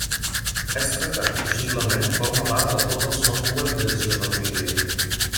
Finestra que, possiblement, forma part de tot el software d'edició del vídeo.